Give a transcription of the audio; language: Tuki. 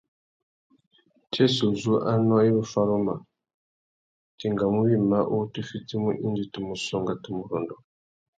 Tsêssê uzu anô i ru faruma, tu engamú wïmá uwú tu fitimú indi tu mù songha, tu mù rôndô.